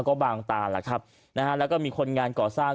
ก็บางตาแหละครับนะฮะแล้วก็มีคนงานก่อสร้าง